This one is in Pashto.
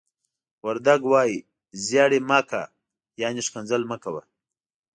وردگ وايي: "زيَړِ مَ کَ." يعنې ښکنځل مه کوه.